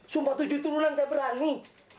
sumpah tujuh turunan saya berani